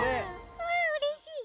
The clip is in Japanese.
うわうれしい！